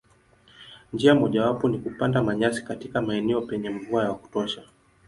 Njia mojawapo ni kupanda manyasi katika maeneo penye mvua wa kutosha.